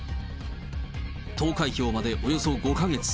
投開票までおよそ５か月。